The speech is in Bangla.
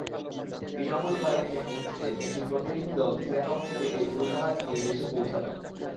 ইনামুল বারীর নেতৃত্বে একটি প্রতিনিধিদল সিয়াটল থেকে এই উড়োজাহাজ নিয়ে দেশে পৌঁছাবেন।